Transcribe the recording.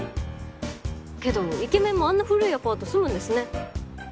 けどイケメンもあんな古いアパート住むんですね。